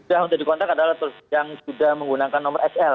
yang untuk dikontak adalah yang sudah menggunakan nomor sl